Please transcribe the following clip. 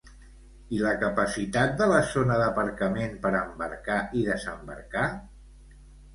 I la capacitat de la zona d'aparcament per embarcar i desembarcar?